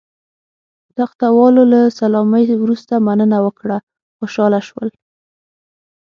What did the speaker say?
تخته والاو له سلامۍ وروسته مننه وکړه، خوشاله شول.